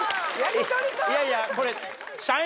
いやいやこれ。